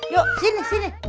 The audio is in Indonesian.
yuk sini sini